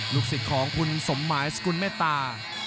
ลูกศิษย์ของคุณสมหมายสกุลแม่ตา